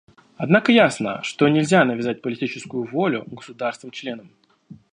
Однако ясно, что нельзя навязать политическую волю государствам-членам.